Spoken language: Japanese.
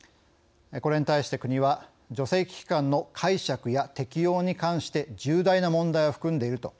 これに対して、国は「除斥期間の解釈や適用に関して重大な問題を含んでいる。